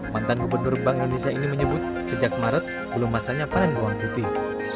mantan gubernur bank indonesia ini menyebut sejak maret belum masanya panen bawang putih